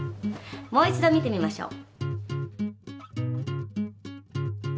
もう一度見てみましょう。